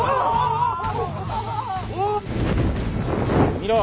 見ろ